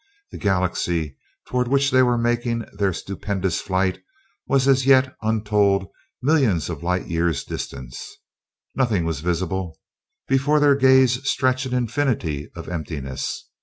The Galaxy toward which they were making their stupendous flight was as yet untold millions of light years distant. Nothing was visible before their gaze stretched an infinity of emptiness.